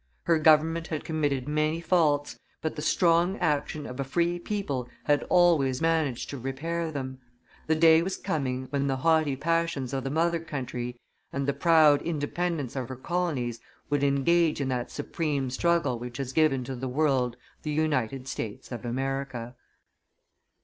Her government had committed many faults; but the strong action of a free people had always managed to repair them. The day was coming when the haughty passions of the mother country and the proud independence of her colonies would engage in that supreme struggle which has given to the world the United States of America.